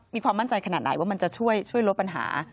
มีความมั่นใจขนาดไหนว่ามันจะช่วยลดปัญหา